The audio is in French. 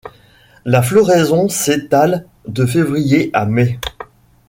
La floraison s'étale de février à mai.